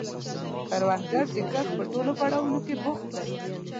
کروندګر د کښت په ټولو پړاوونو کې بوخت دی